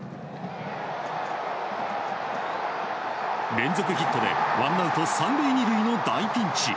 連続ヒットでワンアウト３塁２塁の大ピンチ。